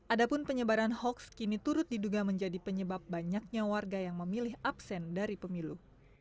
adapun penyebaran hoax kini turut diduga menjadi penyebab banyaknya warga yang memilih absen dari pemilu